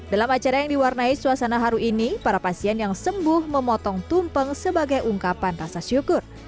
dalam acara yang diwarnai suasana haru ini para pasien yang sembuh memotong tumpeng sebagai ungkapan rasa syukur